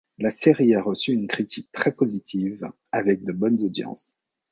La série a reçu une critique très positive, avec de bonnes audiences.